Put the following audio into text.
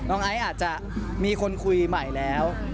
ไอซ์อาจจะมีคนคุยใหม่แล้ว